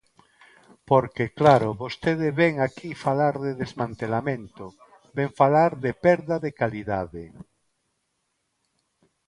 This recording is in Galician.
Porque, claro, vostede vén aquí falar de desmantelamento, vén falar de perda de calidade.